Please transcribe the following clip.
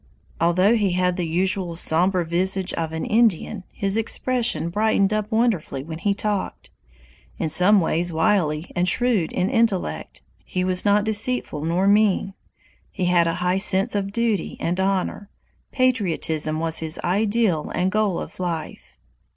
Although he had the usual somber visage of an Indian, his expression brightened up wonderfully when he talked. In some ways wily and shrewd in intellect, he was not deceitful nor mean. He had a high sense of duty and honor. Patriotism was his ideal and goal of life.